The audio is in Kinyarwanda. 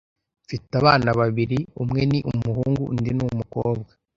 Mfite abana babiri. Umwe ni umuhungu undi ni umukobwa.